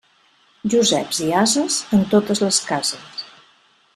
Joseps i ases en totes les cases.